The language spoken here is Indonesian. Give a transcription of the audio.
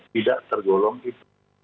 tidak tergolong itu